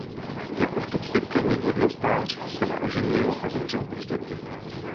Jakožto církevní hodnostář se neoženil a zemřel bezdětný.